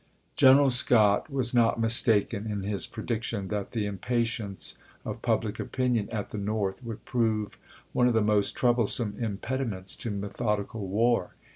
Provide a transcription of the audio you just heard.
General Scott was not mistaken in his prediction that the impatience of public opinion at the North would prove one of the most troublesome impedi ments to methodical war.